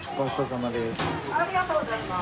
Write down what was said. ありがとうございます。